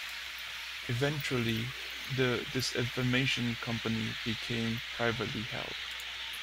Eventually, the Disinformation Company became privately held.